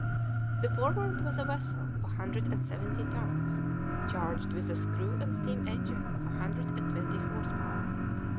The Forward was a vessel of a hundred and seventy tons, charged with a screw and steam engine of a hundred and twenty horse power.